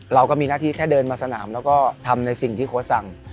เราก็มีหน้าที่แค่เดินมาสนามแล้วก็ทำในสิ่งที่โค้ชสั่ง